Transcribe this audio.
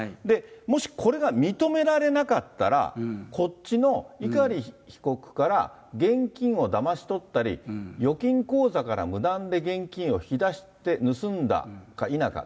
もしこれが認められなかったら、こっちの碇被告から現金をだまし取ったり、預金口座から無断で現金を引き出して盗んだか否か。